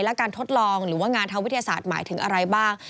และการทดลองหรือว่างานทางวิทยาศาสตร์หมายถึงอะไรบ้าง